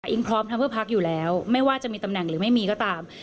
อิงพร้อมทำเพื่อพักอยู่แล้วไม่ว่าจะมีตำแหน่งหรือไม่มีก็ตาม